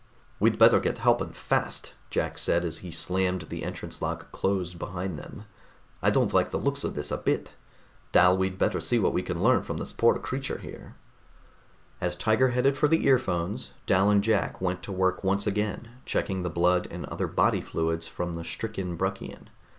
"We'd better get help, and fast," Jack said as he slammed the entrance lock closed behind them. "I don't like the looks of this a bit. Dal, we'd better see what we can learn from this poor creature here." As Tiger headed for the earphones, Dal and Jack went to work once again, checking the blood and other body fluids from the stricken Bruckian.